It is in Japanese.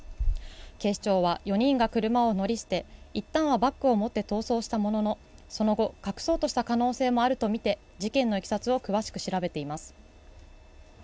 警視庁は４人が車を乗り捨て一旦はバッグを持って逃走したもののその後隠そうとした可能性があるとみて事件のいきさつを詳しく調べています。